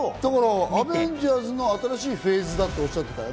『アベンジャーズ』の新しいフェーズだっておっしゃってたよね。